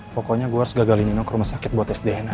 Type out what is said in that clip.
pokoknya gue harus gagalin nunggu ke rumah sakit buat tes dna